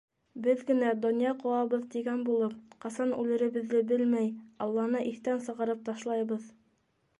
Беҙ генә донъя ҡыуабыҙ тигән булып, ҡасан үлеребеҙҙе белмәй, алланы иҫтән сығарып ташлайбыҙ.